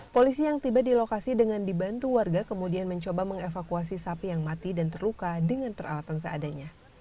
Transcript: polisi yang tiba di lokasi dengan dibantu warga kemudian mencoba mengevakuasi sapi yang mati dan terluka dengan peralatan seadanya